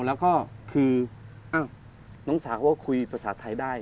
แล้วก็คือน้องสาวก็คุยภาษาไทยได้